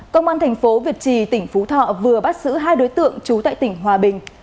công an thành phố việt trì tỉnh phú thọ vừa bắt giữ hai đối tượng trú tại tỉnh hòa bình